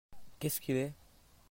Qu'est-ce qu'il est ?